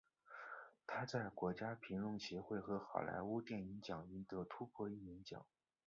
他在国家评论协会和好莱坞电影奖赢得突破艺人奖。